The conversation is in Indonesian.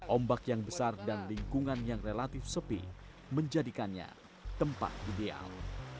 ombak yang besar dan lingkungan yang relatif sepi menjadikannya tempat ideal